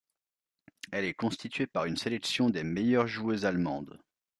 Elle est constituée par une sélection des meilleures joueuses allemandes.